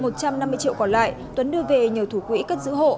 một trăm năm mươi triệu còn lại tuấn đưa về nhờ thủ quỹ cất giữ hộ